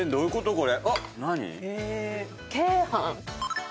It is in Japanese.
これ。